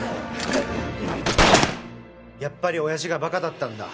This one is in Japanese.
やっぱり親父が馬鹿だったんだ。